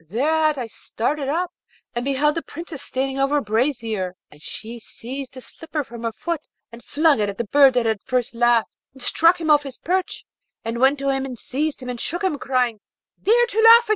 Thereat I started up, and beheld the Princess standing over a brazier, and she seized a slipper from her foot and flung it at the bird that had first laughed, and struck him off his perch, and went to him and seized him and shook him, crying, 'Dare to laugh again!'